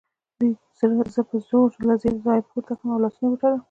دوی زه په زور له ځایه پورته کړم او لاسونه یې وتړل